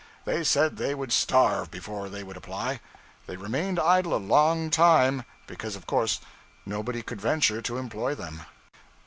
They said they would starve before they would apply. They remained idle a long while, because of course nobody could venture to employ them.